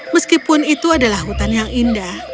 meskipun itu adalah hutan yang indah